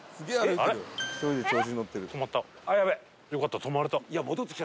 よかった止まれた。